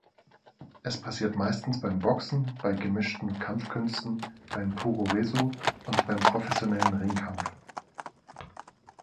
Es passiert meistens beim Boxen, bei gemischten Kampfkünsten, beim Puroresu und beim professionellen Ringkampf.